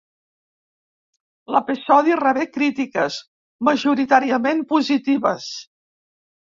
L'episodi rebé crítiques majoritàriament positives.